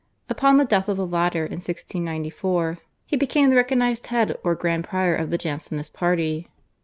Upon the death of the latter in 1694, he became the recognised head or grand prior of the Jansenist party.